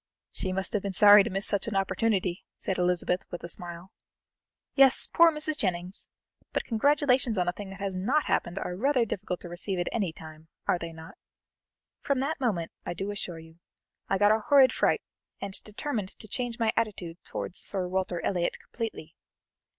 "She must have been sorry to miss such an opportunity," said Elizabeth, with a smile. "Yes, poor Mrs. Jennings! But congratulations on a thing that has not happened are rather difficult to receive at any time, are they not? From that moment, I do assure you, I got a horrid fright, and determined to change my attitude towards Sir Walter Elliot completely.